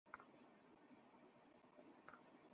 আমি এই পোষাক ভালবাসি, কারণ তুমি এটা আমার জন্য বানিয়েছিলে!